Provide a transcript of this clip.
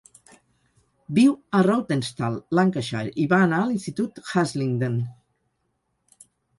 Viu a Rawtenstall, Lancashire, i va anar a l'institut Haslingden.